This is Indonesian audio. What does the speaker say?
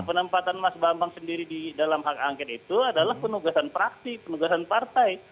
penempatan mas bambang sendiri di dalam hak angket itu adalah penugasan praktik penugasan partai